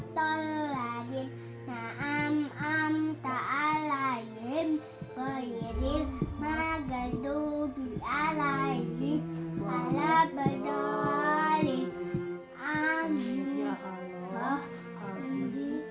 bagaimana cara untuk membuat aymari menjadi laki laki